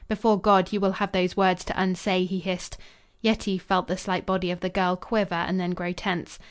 "Before God, you will have those words to unsay," he hissed. Yetive felt the slight body of the girl quiver and then grow tense.